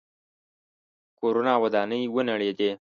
کورونه او ودانۍ ونړېدې.